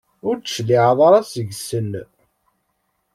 Ur d-tecliɛeḍ ara seg-sen?